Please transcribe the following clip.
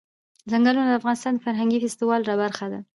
ځنګلونه د افغانستان د فرهنګي فستیوالونو برخه ده.